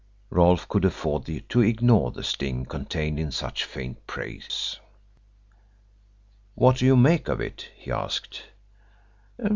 Rolfe could afford to ignore the sting contained in such faint praise. "What do you make of it?" he asked.